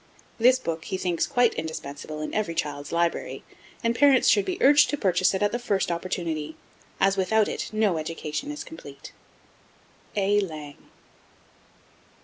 This book he thinks quite indispensable in every child's library, and parents should be urged to purchase it at the first opportunity, as without it no education is complete. A. LANG.